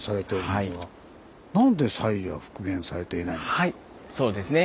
でもはいそうですね。